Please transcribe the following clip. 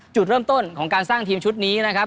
จุดเริ่มต้นของการสร้างทีมชุดนี้นะครับ